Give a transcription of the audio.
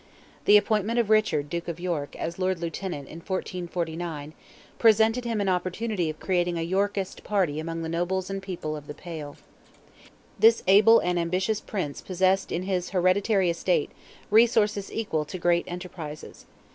The appointment of Richard, Duke of York, as Lord Lieutenant, in 1449, presented him an opportunity of creating a Yorkist party among the nobles and people of "the Pale." This able and ambitious Prince possessed in his hereditary estate resources equal to great enterprises.